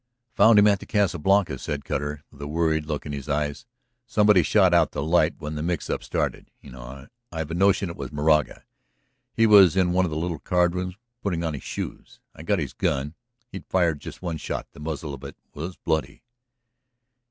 "I found him at the Casa Blanca," said Cutter, the worried look in his eyes. "Somebody shot out the light when the mix up started, you know. I've a notion it was Moraga. He was in one of the little card rooms ... putting on his shoes! I got his gun; he'd fired just one shot. The muzzle of it was bloody."